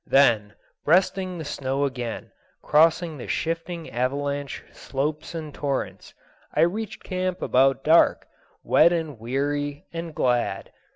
Then, breasting the snow again, crossing the shifting avalanche slopes and torrents, I reached camp about dark, wet and weary and glad.